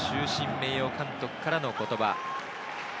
名誉監督からの言葉。